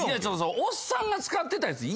おっさんが使ってたやつ嫌やん。